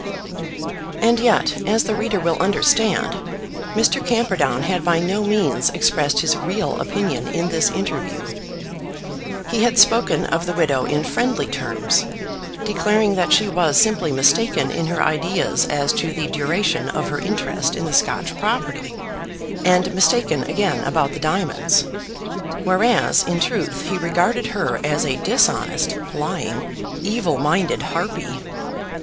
And yet, as the reader will understand, Mr. Camperdown had by no means expressed his real opinion in this interview. He had spoken of the widow in friendly terms, declaring that she was simply mistaken in her ideas as to the duration of her interest in the Scotch property, and mistaken again about the diamonds; whereas in truth he regarded her as a dishonest, lying, evil minded harpy.